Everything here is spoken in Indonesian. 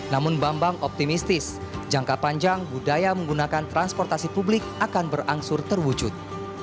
namun bambang optimistis jangka panjang budaya menggunakan transportasi publik akan berangsur terwujud